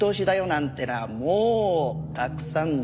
なんてのはもうたくさんだよ。